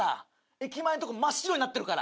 駅前のとこ真っ白になってるから。